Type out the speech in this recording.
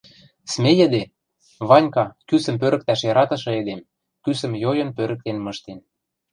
смейӹде, Ванька — кӱсӹм пӧрӹктӓш яратышы эдем, кӱсӹм йойын пӧрӹктен мыштен